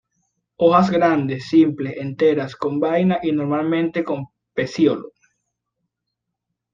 Hojas grandes, simples, enteras, con vaina y normalmente con pecíolo.